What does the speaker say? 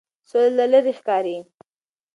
سوله لا لرې ښکاري.